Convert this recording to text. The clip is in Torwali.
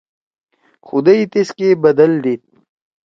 خدئی تیسکے بدل دیِد۔